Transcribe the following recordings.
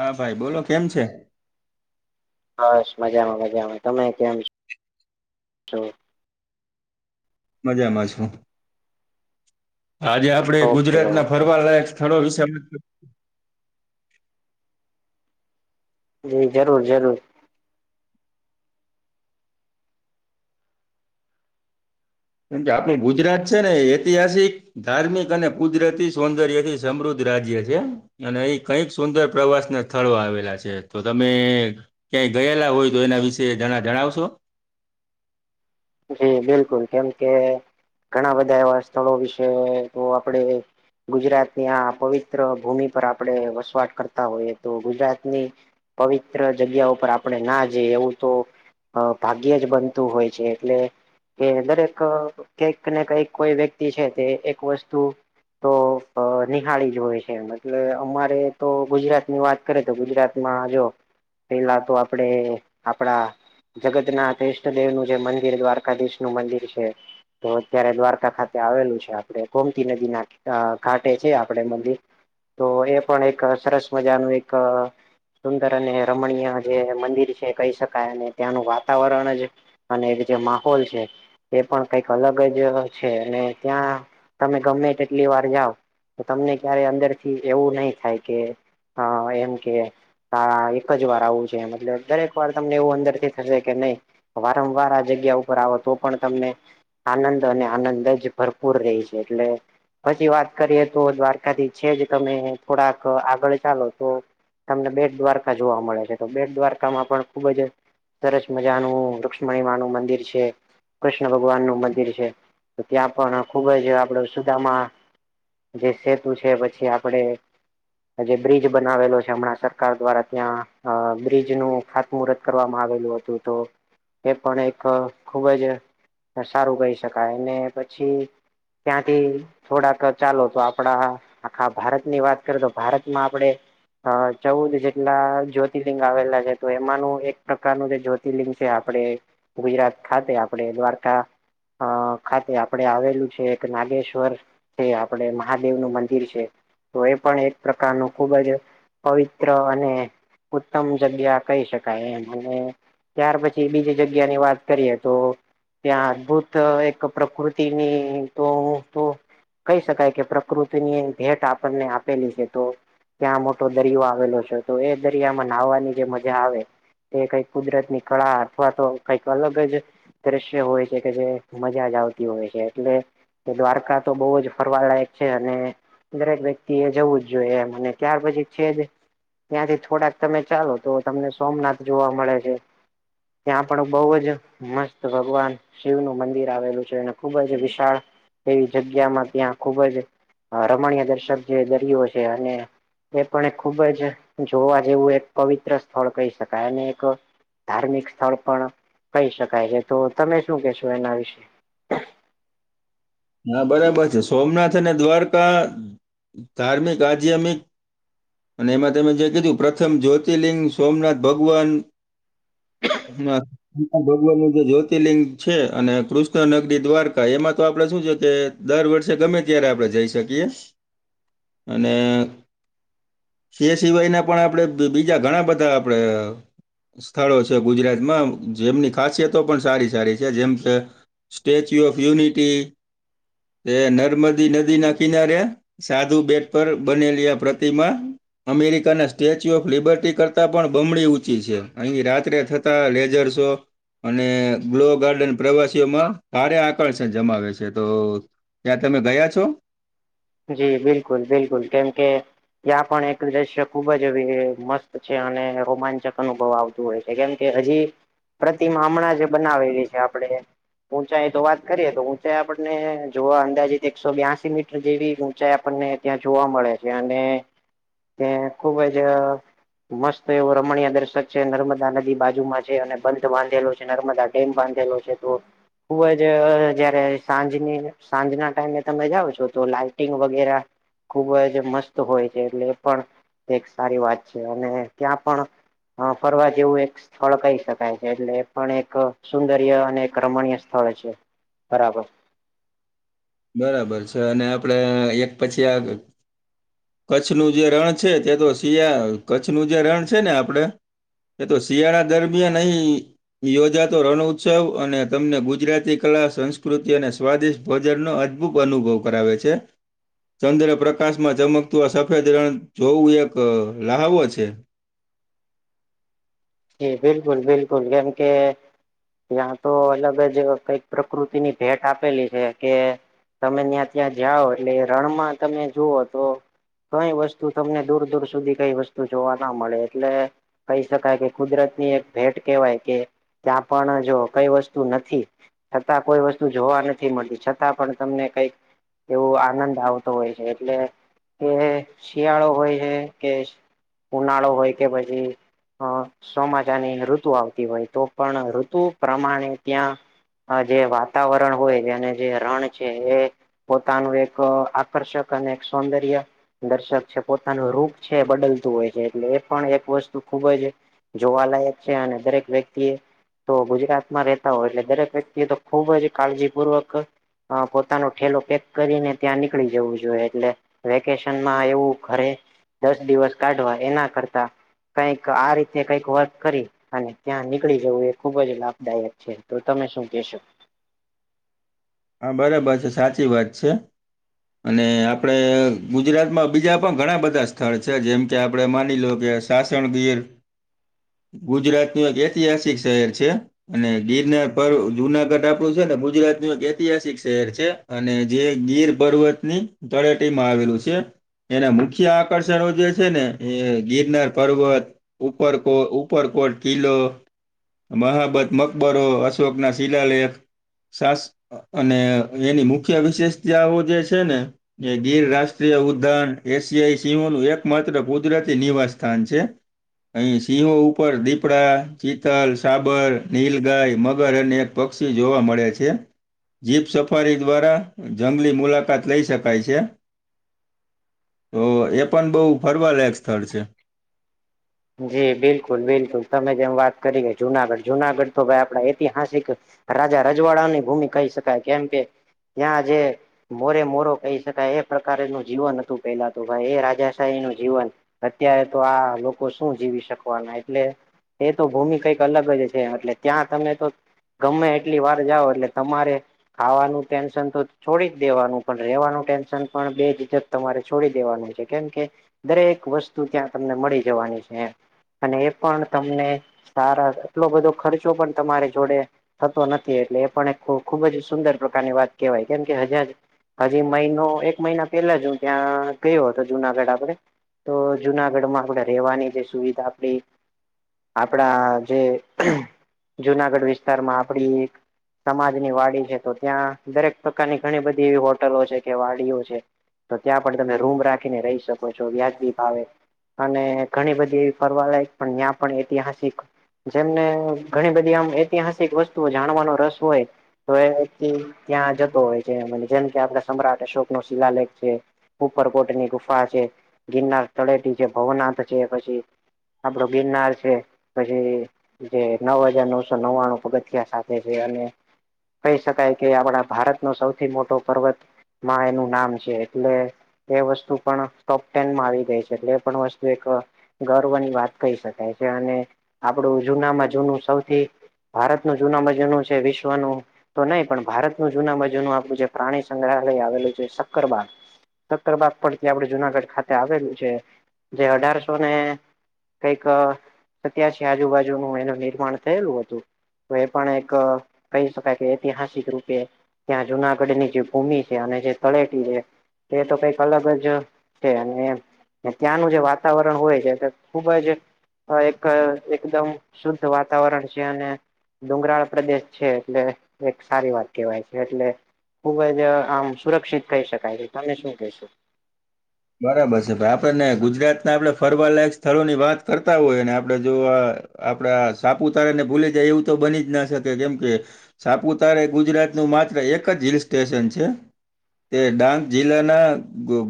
હા ભાઈ, બોલો કેમ છે? બસ મજામાં મજામાં, તમે કેમ છો? મજામાં છું, આજે આપણે ઓકે ગુજરાતના ઓકે ફરવાલાયક [unintelligible] જી જરૂર જરૂર. કેમ કે આપણું ગુજરાત છે ને ઐતિહાસિક ધાર્મિક અને કુદરતી સૌંદર્યથી સમૃદ્ધ રાજ્ય છે. અને અહીં કંઈક સુંદર પ્રવાસના સ્થળો આવેલા છે તો તમે ક્યાંય ગયેલા હોય તો એના વિશે જરા જણાવશો. જી બિલકુલ કેમ કે ઘણાં બધાં એવા સ્થળો વિશે તો આપડે ગુજરાતની આ પવિત્ર ભૂમિ પર આપણે વસવાટ કરતા હોઈએ તો ગુજરાતની પવિત્ર જગ્યા ઉપર આપણે ના જઈએ એવું તો અ ભાગ્યે જ બનતું હોય છે. એટલે કે દરેક કંઈક ને કંઈક કોઈ વ્યક્તિ છે તે એક વસ્તુ તો અ નિહાળી જ હોય છે એટલે મતલબ અમારે તો ગુજરાતની વા કરે તો ગુજરાતમાં આ જો પેલા તો આપડે આપડા જગતનાથ ઈષ્ટદેવનુ જે મંદિ ર દ્વારકાધીશનું મંદિર છે. તો અત્યારે દ્વારકા ખાતે આવેલું છે આપણે ગોમતી નદીના અ ઘાટે છે આપડે મંદિર. તો એ પણ એક સરસ મજાનું એક સુંદર અને રમણીય જે મંદિર છે કહી શકાય અને ત્યાંનું વાતાવરણ જ. અને એક જે માહોલ છે. એ પણ કાઈક અલગ જ છે અને ત્યાં તમે ગમે તેટલી વાર જાવ તો તમને ક્યારે અંદરથી એવું નઈ થાય કે અ એમ કે આ એક જ વાર આવું છે મતલબ દરેક વાર તમને એવું અંદર થી થશે કે નઈ વારંવાર આ જગ્યા ઉપર આવો તો પણ તમને આનંદ અને આનંદ જ ભરપૂર રહે છે એટલે પછી વાત કરીએ તો દ્વારકાથી છે જ તમે થોડાક આગળ ચાલો તો તમને બેટ દ્વારકા જોવા મળે છે તો બેટ દ્વારકામાં પણ ખુબ જ. સરસ મજાનુંું લુક્ષ્મણીવા નું મંદિર છે. કૃષ્ણ ભગવાન નું મંદિર છે તો ત્યાં પણ ખુબ જ આપડ સુદામાં. જે સેતુ છે પછી આપડે. અ જે બ્રિજ બનાવેલો છે હમણાં સરકાર દ્વારા ત્યાં અ બ્રિજનું ખાતમુહૂર્ત કરવામાં આવેલું તું તો એ પણ એક ખ ખૂબ જ સારું કહી શકાય અને પછી ત્યાંથી થોડાક ચાલો તો આપણા આખા ભારતની વાત કરીએ તો ભારતમાં આપડે અ ચૌદ જેટલા જ્યોતિર્લિંગ આવેલા છે તો એમાંનું એક પ્રકારનું જે જ્યોતિર્લિંગ છે આપણે ગુજરાત ખાતે આપડે દ્વારકા અ ખાતે આપડે આવેલું છે એક નાગેશ્વર. છે આપડે મહાદેવ નું મંદિર છે. તો એ પણ એક પ્રકારનું ખુબ જ પવિત્ર અને ઉત્તમ જગ્યા કહી શકાય એમ અને ત્યાર પછી બીજી જગ્યા જગ્યા ની વાત કરીએ તો ત્યાં અદભુત એક પ્રકૃતિની તો. કહી શકાય કે પ્રકૃતિની ભેટ આપણને આપેલી છે તો. ત્યાં મોટો દરિયો આવેલો છે તો એ દરિયામાં નહવાની જે મજા આવે. એ કઈ કુદરત નીકળા અથવા તો. કઈક અલગ જ દ્રશ્ય હોય છે કે જે મજા જ આવતી હોય છે એટલે. દ્વારકા તો બહુ જ ફરવા લાયક છે અને. દરેક વ્યક્તિ એ જવું જ જોઈએ એમને ત્યાર પછી છે જ. ત્યાંથી થોડાક તમે ચાલો તો તમને સોમનાથ જોવા મળે છે. ત્યાં પણ બહુ જ મસ્ત ભગવાન શિવનું મંદિર આવેલું છે અને ખુબ જ વિશાળ. એવી જગ્યામાં ત્યાં ખૂબ જ રમણીય દર્શક જે દરિયો છે અને. એ પણ ખુબ જ જોવા જેવું એક પવિત્ર સ્થળ કહી શકાય અને એક. ધાર્મિક સ્થળ પણ કહી શકાય છે તો તમે શું કેશો એના વિશે. હા બરાબર છે સોમનાથ અને દ્વારકા ધાર્મિક આધમિક અને એમાં તમે જે કીધું પ્રથમ જ્યોતિર્લિંગ સોમનાથ ભગવાન હ ભગવાન નું જે જ્યોતિર્લિંગ છે અને કૃષ્ણનગરી દ્વારકા એમાં તો આપડે શું છે કે દર વર્ષે ગમે ત્યારે આપડે જઈ શકીએ અને એ સિવાયના પણ આપણે બીજા ઘણા બધા આપણે સ્થળો છે ગુજરાતમાં જેમની ખાસિયતો પણ સારી સારી છે જેમ કે સ્ટેચ્યુ ઓફ યુનિટી એ નર્મદી નદી ના કિનારે સાધુ બેટ પર બનેલી આ પ્રતિમા અમેરિકાના સ્ટેચ્યુ ઓફ લિબર્ટી કરતાં પણ બમણી ઊંચી છે અહીં રાત્રે થતા લેઝરસો અને ગ્લો ગાર્ડન પ્રવાસીઓમાં સારે આકર્ષણ જમાવે છે તો ત્યાં તમે ગયા છો જી બિલકુલ બિલકુલ કેમ કે ત્યાં પણ એક દ્રશ્ય ખુબ જ મસ્ત છે અને રોમાંચક અનુભવ આવશે હોય છે કેમ કે હજી પ્રતિમા હમણાં જે બનાવેલી છે આપણે ઊંચાઈ એ તો વાત કરીએ તો ઉઊંચાઈ આપણને જોવા અંદાજત એકસો બ્યાસી મીટર જેવી ઊંચાઈ આપણને ત્યાં જોવા મળે છે અને ત્યા ખુબ જ મસ્ત એવો રમણીય દર્શક છે નર્મદા નદી બાજુમાં છે અને બંધ બાંધેલો છે નર્મદા એમ બાંધેલો છે તો ખુબ જ જયારે સાંજની સાંજના ટાઈમે તમે જાઓ છો તો લાઈ ટિંગ વગેરા ખુબ જ મસ્ત હોય છે એટલે એ પણ એક સારી વાત છે અને ત્યાં પણ હા ફરવા જેવું એક સ્થળ કહી શકાય છે એટલે એ પણ એક સુંદર્ય અને એક રમણીય સ્થળ છે બરાબર બરાબર છે અને આપડે એક પછી આગ કચ્છનુંું જે રણ છે તે તો શિયા કચ્છ નું જે રણ છે ને આપડે એ તો શિયાળા દરમિયાન અહી યોજાતો રણ ઉત્સવ અને તમને ગુજરાતી કલા સંસ્કૃતિ અને સ્વાદિષ્ટ ભોજનનો અદભુત અનુભવ કરાવે છે ચંદ્ર પ્રકાશમાં ચમકતું આ સફેદ રણ જોવું એક લહાવો છે એ બિલકુલ બિલકુલ જેમ કે ત્યાં તો અલગ જ કંઈક પ્રકૃતિ ની ભેટ આપેલી છે કે તમે ત્યાં ત્યાં જાઓ એટલે રણમાં તમે જુઓ તો કઈ વસ્તુ તમને દૂર દૂર સુધી કઈ વસ્તુ જોવા ના મળે એટલે કહી શકાય કે કુદરત ની એક ભેટ કેવાય કે ત્યાં પણ જો કઈ વસ્તુ નથી છતાં કોઈ વસ્તુ જોવા નથી મળતી છતાં પણ તમને કઈક એવો આનંદ આવતો હોય છે એટલે કે શિયાળો હોય હે કે ઉનાળો હોય કે પછી હા સોમાચાની ઋતુ આવતી હોય તો પણ ઋતુ પ્રમાણે ત્યાં જે વાતાવરણ હોય અને જે રણ છે એ પોતાનું એક આકર્ષક અને એક સૌંદર્ય દર્શક છે પોતાનું રૂપ છે બદલતું હોય છે એટલે એ પણ એક વસ્તુ ખુબ જ જોવાલાયક છે અને દરેક વ્યક્તિએ તો ગુજરાતમાં રહેતા હોય એટલે દરેક વ્યક્તિ તો ખુબ જ કાળજીપૂર્વક અ પોતાનો ઠેલો પેક કરીને ત્યાં નીકળી જવું જોઈએ એટલે વેકેશનમાં એવું ઘરે દસ દિવસ કાઢવા એના કરતા કઈક આ રી તેં કઈક વર્ક કરી અને ત્યાં નીકળી જવું એ ખુબ જ લાભદાયક છે તો તમે શું કેશો? હા બરાબર છે સાચી વાત છે અને આપડે ગુજરાતમાં બીજા પણ ઘણા બધા સ્થળ છે જેમ કે આપડે માની લો કે તાસણ ગીર ગુજરાતનું એક ઐતિહાસિક શહેર છે અને ગીરનાર પરર્વ જુનાગઢ આપડું છે ને ગુજરાત નું એક તિહાસિક શહેર છે અને જે ગીર પર્વતની તળેટીમાં આવેલું છે એના મુખ્ય આકર્ષણો જે છે ને એ ગિરનાર પર્વત ઉપરકો ઉપરકોટ કિલ્લો મહાબત મકબરો અશોકના શિલાલેખ સાસ અને એની મુખ્ય વિશેષતાઓ જે છે ને એ ગીર રાષ્ટ્રીય ઉદ્યાન એશિયાઈ સીંહોનું એકમાત્ર કુદરતી નિવાસસ્થાન છે અહીં સિંહો ઉપર દીપડા ચીતલ સાબર નીલગાય મગર અને પક્ષીઓ જોવા મળે છે જીપ સફારી દ્વારા જંગલી મુલાકાત લઈ શકાય છે તો એ પણ બહુ ફરવા લાયક સ્થળ છે જી બિલકુલ બિલકુલ તમે જેમ વાત કરી કે જુનાગઢ જુનાગઢ તો ભાઈ આપડા ઐતિહાસિક રાજા રજવાડાની ભૂમિ કહી શકાય કેમ કે ત્યાં જે મોરે મોરો કહી શકાય એ પ્રકાર ન જીવન હતું પેહેલા તો ભાઈ એ રાજાશાહી નું જીવન અત્યારે તો આ લો કો શું જીવી શકવાના એટલે એ તો ભૂમિ કઈક અલગ જ છે એટલે ત્યાં તમને તો ગમે એટલી વાર જાઓ એટલે તમારે ખાવાનું ટેન્શન તો છોડી જ દેવાનું પણ રેવાનું ટેન્શન પણ બે [unintelligible] તમારે છોડી દેવાનું છે કેમ કે દરેક વસ્તુ ત્યાં તમને મળી જવાની છે અને એ પણ તમને સારા એટલો બધો ખર્ચો પણ તમારે જોડે થતો નથી એટલે એ પણ એક ખૂબ જ સુંદર પ્રકારની વાત કેહેવાય કેમ કે હજાજ હજી મહિનો એક મહિના પેલા જ હું ત્યાં ગયો હતો જુનાગઢ આપડે તો જુનાગઢ માં આપડે રેવાની જે સુવિધા આપડી આપણા જે જુનાગઢ વિસ્તારમાં આપડી એક સમાજની વાડી છે તો ત્યાં દરેક પ્રકારની ઘણી બધી એવી હોટલો છે કે વાડીઓ છે તો ત્યાં પણ તમે રૂમ રાખીને રહી શકો છો વ્યાજબી ભાવે અને ઘણી બધી એવી ફરવા લયક પણ ત્યાં પણ ઐતિહાસિક જેમને ઘણી બધી આમ ઐતિહાસિક વસ્તુઓ જાણવાનો રસ હોય તો એ ત્યાં જતો હોય છે કેમ કે આપડે સમ્રાટ અશોક નો શિલાલેખ છે ઉપરકોટ ની ગુફા છે ગિરનાર તળેટી છે ભવનાથ છે પછી આપડો ગિરનાર છે પછી જે નવ હજાર નવસો નવાણું પગથિયા સાથે છે અને કહી શકાય કે આપણા ભારત નો સૌથી મોટો પર્વત માં એનું નામ છે એટલે એ વસ્તુ પણ ટોપ ટેનમાં આવી ગઈ છે એટલે એ પણ વસ્તુ એક ગર્વની વાત કહી શકાય છે અને આપણું જૂનામાં જૂનું સૌથી ભારતનું જૂનામાં જૂનું છે વિશ્વનું તો નહીં પણ ભારતનું જુના માં જુનું આપણું જે પ્રાણી સંગ્રહાલય આવેલું છે સક્કરબાગ સત્તર બાગ પરથી આપડે જુનાગઢ ખાતે આવેલું છે જે અઢારસો ને કઈક સત્ય છે આજુબાજુ નુ એનું નિર્માણ થયેલું હતું તો એ પણ એક કહી શકાય કે ઐતિહાસિક રૂપે ત્યાં જુનાગઢ ની જે ભૂમિ છે અને જે તળેટી છે તે તો કઈક અલગ જ છે અને ત્યાંનું જે વાતા વાતાવરણ હોય છે ખુબ જ એક એકદમ શુદ્ધ વાતાવરણ છે અને ડુંગરાળ પ્રદેશ છે એટલે એક સારી વાત કેહેવાય છે એટલે ખુબ જ આમ સુરક્ષિત કહી શકાય છે તમે શું કેશો બરાબર છે પણ આપડેને ગુજરાત ના આપડે ફરવાલાયક સ્થળો ની વાત કરતા હોય ને આપડે જો આ આપડા સાપુતારા ને ભૂલે જાય એવું તો બની જ ના શકે કેમ કે સાપુતારા ગુજરાતનું માત્ર એક જ હિલ સ્ટેશન છે તે ડાંગ જિલ્લાના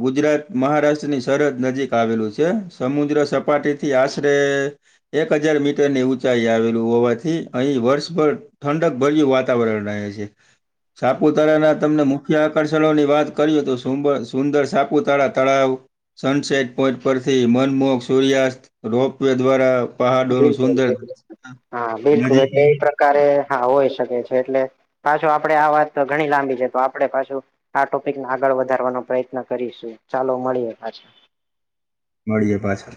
ગુજરાત મહારાષ્ટ્રની સરહદ નજીક આવેલું છે સમુદ્ર સપાટી થી આશરે એક હજાર મીટરની ઊંચાઈ આવેલું હોવાથી અહીં વર્ષભર ઠંડક ભર્યું વાતાવરણ રહે છે. સાપુતારાના તમને મુખ્ય આકર્ષણોની વાત કરીએ તો સુંદર સાપુતારા તળાવ સનસેટ પોઈન્ટ પરથી મનમોહ સૂર્યાસ્ત રોપ વે દ્વારા પહાડોનું બિલકુલ સુંદર હા બિલકુલ નજીક એટલે એ પ્રકારે હા હોય શકે છે એટલે પાછું આપડે આ વાત તો ઘણી લાંબી છે તો આપડે પાછું આ ટોપિકને આગળ વધારવાનો પ્રયત્ન કરીશું ચાલો મળીએ પાછા મળીએ પાછા